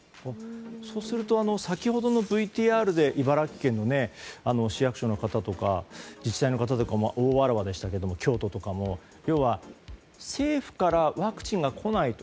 そうすると先ほどのＶＴＲで茨城県の市役所の方とか自治体の方とかも大わらわでしたが要は、政府からワクチンが来ないと。